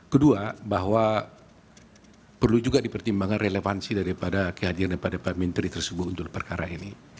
kedua bahwa perlu juga dipertimbangkan relevansi daripada kehadiran daripada pak menteri tersebut untuk perkara ini